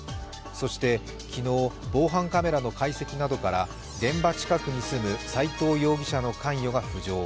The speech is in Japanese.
そして昨日、防犯カメラの解析などから現場近くに住む斎藤容疑者の関与が浮上。